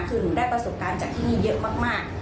คือหนูได้ประสบการณ์จากที่นี่เยอะมาก